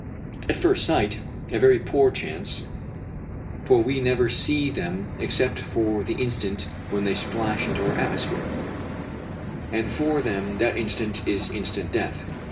At first sight, a very poor chance, for we never see them except for the instant when they splash into our atmosphere; and for them that instant is instant death.